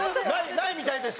ないみたいです。